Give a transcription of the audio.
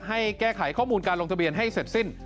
ให้แก้ไขข้อมูลการลงทะเบียนให้เสร็จสิ้น